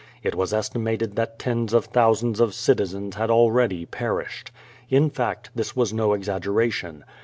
It was estimated that tens of thou sands of citizens had already perished. In fact, this was no exaggeration.